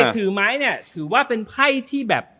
ถือไม้เนี่ยถือว่าเป็นไพ่ที่แบบ